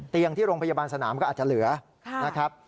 เตียงที่โรงพยาบาลสนามก็อาจจะเหลือนะครับ